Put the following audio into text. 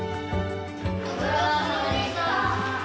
ご苦労さまでした。